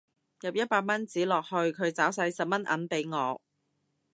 入一百蚊紙落去佢找晒十蚊銀俾我